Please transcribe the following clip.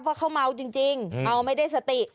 ว่าเค้าเมาจริงเซนะไม่ได้สติ